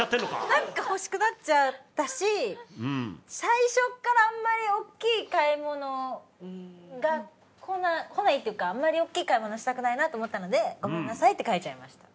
なんか欲しくなっちゃったし最初からあんまり大きい買い物がこないこないっていうかあんまり大きい買い物はしたくないなって思ったので「ごめんなさい」って書いちゃいました。